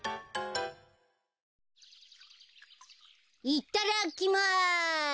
いっただきます！